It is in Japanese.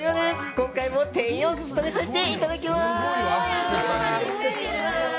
今回も店員を務めさせていただきます。